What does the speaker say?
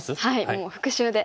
もう復習で。